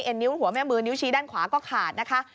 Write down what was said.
นิ้วหัวแม่มือนิ้วชี้ด้านขวาก็ขาดนะคะ